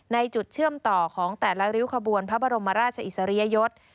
จุดเชื่อมต่อของแต่ละริ้วขบวนพระบรมราชอิสริยยศ